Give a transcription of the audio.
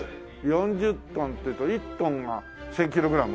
４０トンっていうと１トンが１０００キログラム？